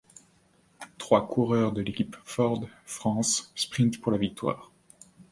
Trois coureurs de l'équipe Ford France sprintent pour la victoire.